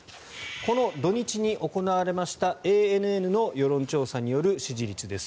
この土日に行われましたＡＮＮの世論調査による支持率です。